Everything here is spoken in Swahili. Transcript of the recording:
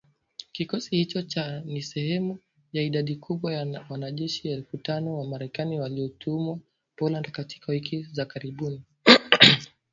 Kikosi hicho ni sehemu ya idadi kubwa ya wanajeshi elfu tano wa Marekani waliotumwa Poland katika wiki za karibuni.